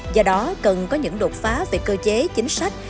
do đó cần có những đột phá về cơ chế chính sách